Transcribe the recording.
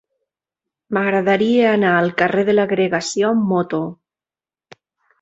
M'agradaria anar al carrer de l'Agregació amb moto.